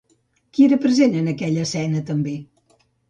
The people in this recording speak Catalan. Qui era present en aquella escena, també?